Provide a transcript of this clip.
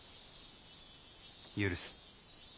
許す。